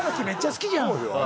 めっちゃ好きじゃん。